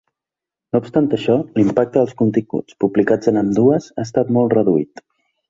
No obstant això, l’impacte dels continguts publicats en ambdues ha sigut molt reduït.